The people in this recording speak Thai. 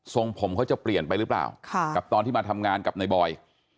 ส่งผมเขาจะเปลี่ยนไปหรือเปล่ากับตอนที่มาทำงานกับนายบอย